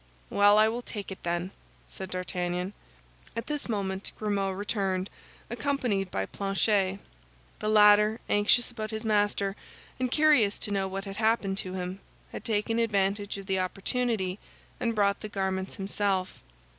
"Well, I will take it, then," said D'Artagnan. At this moment Grimaud returned, accompanied by Planchet; the latter, anxious about his master and curious to know what had happened to him, had taken advantage of the opportunity and brought the garments himself.